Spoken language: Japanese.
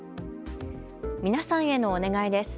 皆さんへのお願いです。